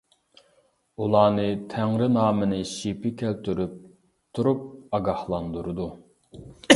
ئۇلارنى تەڭرى نامىنى شىپى كەلتۈرۈپ تۇرۇپ ئاگاھلاندۇرىدۇ.